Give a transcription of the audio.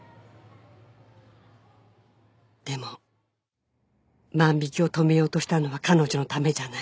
「でも万引を止めようとしたのは彼女のためじゃない」